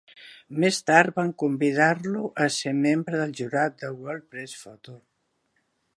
Més tard van convidar-lo a ser membre del jurat de World Press Photo.